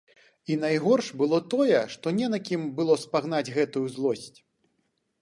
І найгорш было тое, што не на кім было спагнаць гэтую злосць.